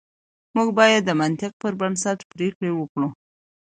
موږ بايد د منطق پر بنسټ پرېکړه وکړو.